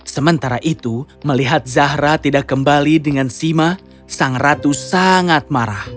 sementara itu melihat zahra tidak kembali dengan sima sang ratu sangat marah